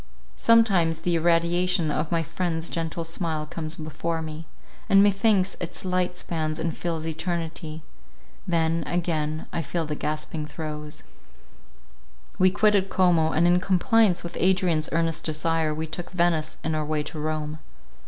Sometimes the irradiation of my friend's gentle smile comes before me; and methinks its light spans and fills eternity—then, again, I feel the gasping throes— We quitted Como, and in compliance with Adrian's earnest desire, we took Venice in our way to Rome.